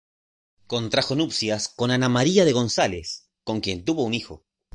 Contrajo nupcias con Ana María de González, con quien tuvo un hijo.